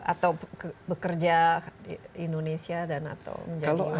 atau bekerja di indonesia dan atau menjadi warga negara